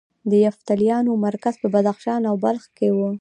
د یفتلیانو مرکز په بدخشان او بلخ کې و